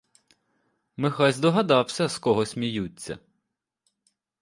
Михась догадався, з кого сміються.